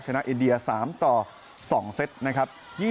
อินเดีย๓ต่อ๒เซตนะครับ